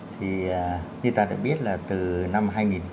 thì như ta đã biết là từ năm hai nghìn bảy